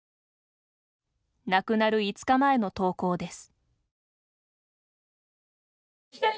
亡くなる５日前の投稿です。